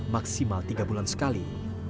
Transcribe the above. maksimal tiga bulan sekali